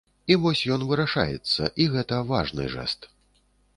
І вось ён вырашаецца, і гэта важны жэст.